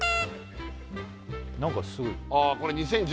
何かすごいあ